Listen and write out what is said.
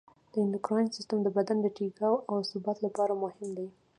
د اندوکراین سیستم د بدن د ټیکاو او ثبات لپاره مهم دی.